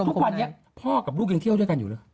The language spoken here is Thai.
ทุกวันนี้พ่อกับลูกยังเที่ยวด้วยกันอยู่เลย